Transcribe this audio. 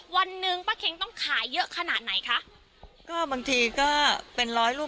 วันหนึ่งป้าเค็งต้องขายเยอะขนาดไหนคะก็บางทีก็เป็นร้อยลูก